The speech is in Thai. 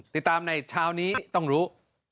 ติดตามในเช้านี้ต้องรู้